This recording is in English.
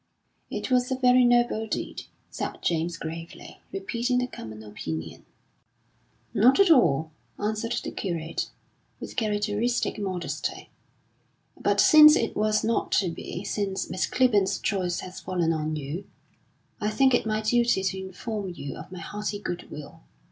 "It was a very noble deed," said James gravely, repeating the common opinion. "Not at all," answered the curate, with characteristic modesty. "But since it was not to be, since Miss Clibborn's choice has fallen on you, I think it my duty to inform you of my hearty goodwill.